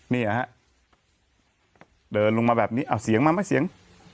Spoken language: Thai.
เนี่ยฮะเดินลงมาแบบนี้เอาเสียงมาไหมเสียง